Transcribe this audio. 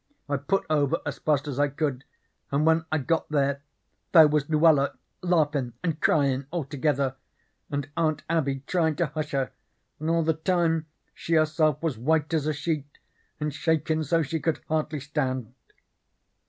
I put over as fast as I could, and when I got there, there was Luella laughin' and cryin' all together, and Aunt Abby trying to hush her, and all the time she herself was white as a sheet and shakin' so she could hardly stand.